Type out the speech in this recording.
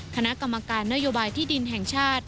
คณะกรรมการนโยบายที่ดินแห่งชาติ